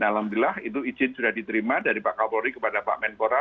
alhamdulillah itu izin sudah diterima dari pak kapolri kepada pak menpora